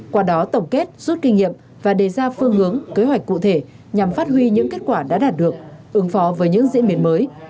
qua đó tổng kết rút kinh nghiệm và đề ra phương hướng kế hoạch cụ thể nhằm phát huy những kết quả đã đạt được ứng phó với những diễn biến mới